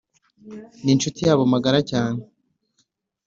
n’inshuti yabo magara cyane